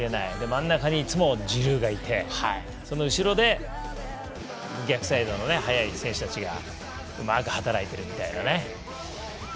真ん中にいつもジルーがいてその後ろに逆サイドに速い選手たちがうまく働いてるみたいなね。